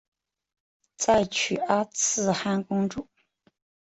再娶阿剌罕公主。